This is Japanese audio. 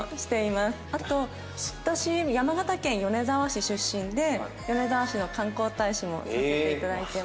あと私山形県米沢市出身で米沢市の観光大使もさせていただいてます。